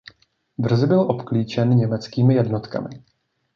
Brzy byl obklíčen německými jednotkami.